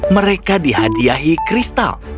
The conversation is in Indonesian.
mereka dihadiahi kristal